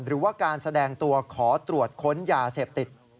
หรือว่าการแสดงตัวขอตรวจค้นยาเสพติด